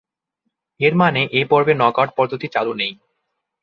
এর মানে এই পর্বে নকআউট পদ্ধতি চালু নেই।